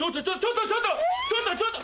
ちょっとちょっと！